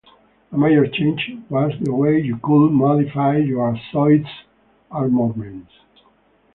A major change was the way you could modify your Zoid's armorments.